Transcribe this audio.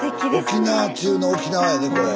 沖縄中の沖縄やでこれ。